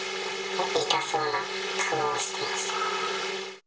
痛そうな顔をしてました。